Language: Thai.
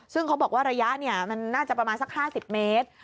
ซึ่งเขาบอกว่าระยะมันน่าจะประมาณสัก๕๐เมตร